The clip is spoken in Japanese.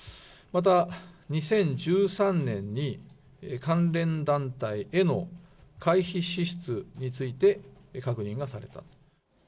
また、２０１３年に、関連団体への会費支出について確認がされた。